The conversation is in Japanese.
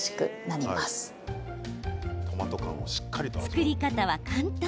作り方は簡単。